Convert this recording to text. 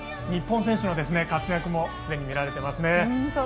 日本選手の活躍もすでに見られていますね。